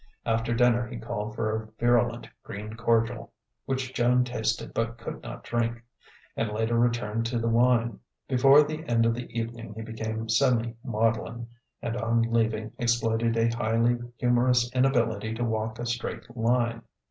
After dinner he called for a virulent green cordial (which Joan tasted but could not drink) and later returned to the wine. Before the end of the evening he became semi maudlin, and on leaving exploited a highly humorous inability to walk a straight line.